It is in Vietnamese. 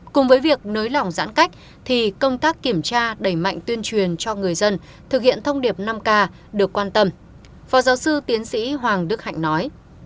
cùng với việc nới lỏng giãn cách thì công tác kiểm tra đẩy mạnh tuyên truyền cho người dân thực hiện thông điệp năm k được quan tâm phó giáo sư tiến sĩ hoàng đức hạnh nói